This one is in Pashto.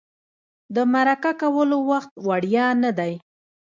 د مرکه کولو وخت وړیا نه دی.